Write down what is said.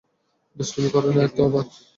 দুষ্টুমি করনি তো আবার?